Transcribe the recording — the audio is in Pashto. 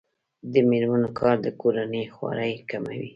د میرمنو کار د کورنۍ خوارۍ کموي.